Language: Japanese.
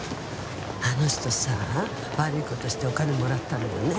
あの人さ悪い事してお金もらったんだよね？